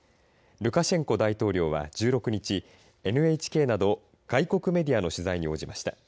ルカシェンコ大統領は１６日ＮＨＫなど外国メディアの取材に応じました。